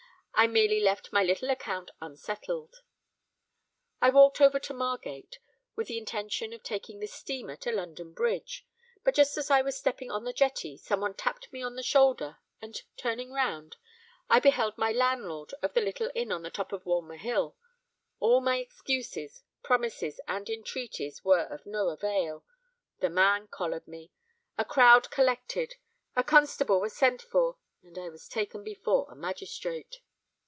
I merely left my little account unsettled. I walked over to Margate, with the intention of taking the steamer to London Bridge; but just as I was stepping on the jetty, some one tapped me on the shoulder, and, turning round, I beheld my landlord of the little inn on the top of Walmer hill. All my excuses, promises, and entreaties were of no avail: the man collared me—a crowd collected—a constable was sent for, and I was taken before a magistrate.